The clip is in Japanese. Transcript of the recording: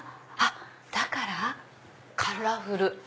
だからカラフル！